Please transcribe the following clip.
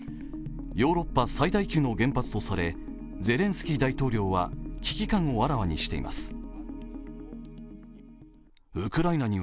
ヨーロッパ最大級の原発とされゼレンスキー大統領は危機感をあらわにしています。